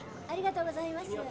ありがとうございます。